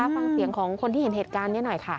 ฟังเสียงของคนที่เห็นเหตุการณ์นี้หน่อยค่ะ